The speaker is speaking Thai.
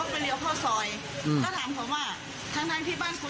เพราะว่ารถธนับมันก็รึ่งไปเลยไม่ได้จอด